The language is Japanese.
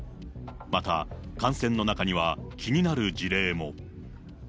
また感染の中には気になる事例も。